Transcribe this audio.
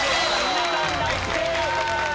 皆さん大正解！